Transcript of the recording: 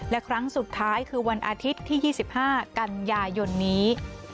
และครั้งสุดท้ายคือวันอาทิตย์ที่๒๕กันยายนนี้